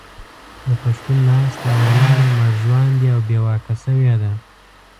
د پښتون ناسته او ولاړه مړژواندې او بې واکه شوې ده.